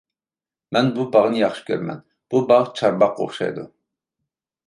مەن بۇ باغنى ياخشى كۆرىمەن، بۇ باغ چارباغقا ئوخشايدۇ.